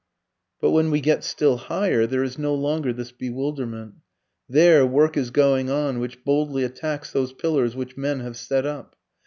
But when we get still higher there is no longer this bewilderment. There work is going on which boldly attacks those pillars which men have set up.